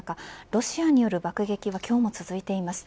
ロシアによる爆撃は今日も続いています。